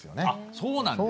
そうなんです。